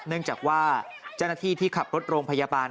เนื่องจากว่าเจ้าหน้าที่ที่ขับรถโรงพยาบาล